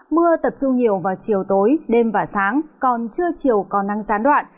mưa tập trung nhiều vào chiều tối đêm và sáng còn trưa chiều còn nắng gián đoạn